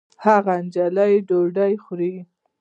هغه نجلۍ ډوډۍ خوري